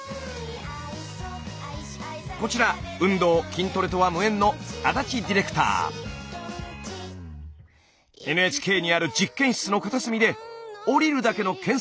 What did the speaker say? こちら運動筋トレとは無縁のＮＨＫにある実験室の片隅で下りるだけの懸垂の練習をしていました。